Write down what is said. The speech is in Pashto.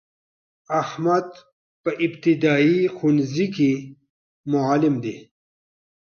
احمد په ابتدایه ښونځی کی معلم دی.